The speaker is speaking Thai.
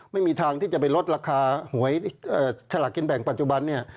ไม่มีทางที่จะไปลดราคาหวยฉลากเก็นแบงปัจจุบัน